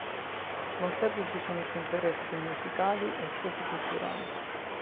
Molteplici sono i suoi interessi musicali e socioculturali.